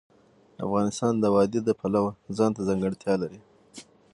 افغانستان د وادي د پلوه ځانته ځانګړتیا لري.